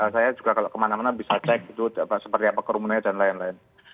saya juga kalau kemana mana bisa cek gitu seperti apa kerumunannya dan lain lain